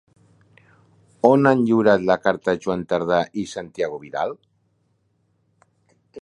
On han lliurat la carta Joan Tardà i Santiago Vidal?